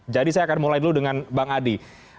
jadi saya akan mulai dulu dengan bang adi